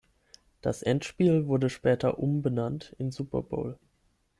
Das Endspiel wurde später umbenannt in Super Bowl.